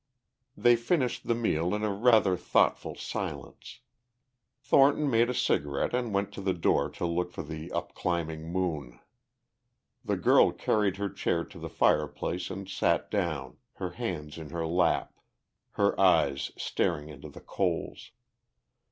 They finished the meal in a rather thoughtful silence. Thornton made a cigarette and went to the door to look for the upclimbing moon; the girl carried her chair to the fireplace and sat down, her hands in her lap, her eyes staring into the coals.